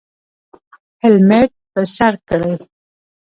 هیلمټ په سر کړئ